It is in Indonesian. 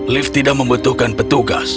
liv tidak membutuhkan petugas